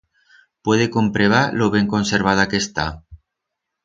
Puede comprebar lo ben conservada que está.